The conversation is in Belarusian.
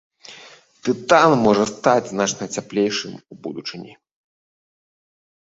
Тытан можа стаць значна цяплейшым у будучыні.